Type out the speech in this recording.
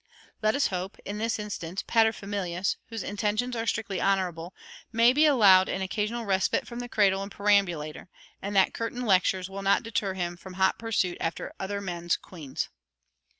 Let us hope that, in this instance, pater familias, whose "intentions are strictly honorable," may be allowed an occasional respite from the cradle and perambulator, and that "curtain lectures" will not deter him from hot pursuit after other men's queens.